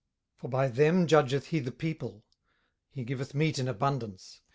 18:036:031 For by them judgeth he the people; he giveth meat in abundance.